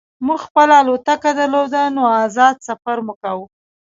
موږ خپله الوتکه درلوده نو ازاد سفر مو کاوه